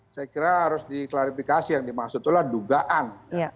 saya kira harus diklarifikasi yang dimaksud adalah dugaan